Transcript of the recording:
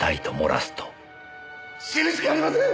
死ぬしかありません！